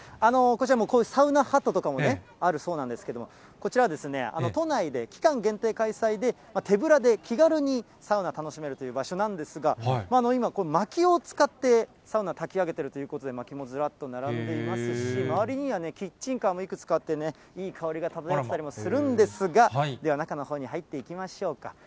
こちら、こういうサウナハットとかもあるそうなんですけども、こちらは都内で期間限定開催で、手ぶらで気軽にサウナ、楽しめるという場所なんですが、今、まきを使ってサウナ、たき上げてるということで、まきもずらっと並んでいますし、周りにはキッチンカーもいくつかあってね、いい香りが漂ってたりもするんですが、では中のほうに入っていきましょうか。